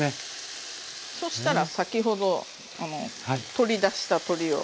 そしたら先ほど取り出した鶏を。